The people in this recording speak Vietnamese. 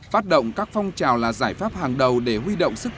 phát động các phong trào là giải pháp hàng đầu để huy động sức